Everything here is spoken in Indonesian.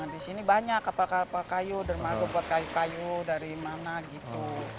di sini banyak kapal kapal kayu dermaga buat kayu kayu dari mana gitu